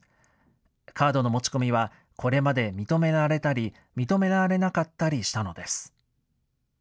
カードの持ち込みは、これまで認められたり、認められなかったりしたのです。